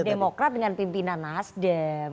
demokrat dengan pimpinan nasdem